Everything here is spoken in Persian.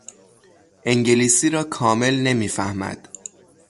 انگلیسی را کامل نمیفهمد.